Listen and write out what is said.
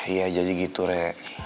iya jadi gitu re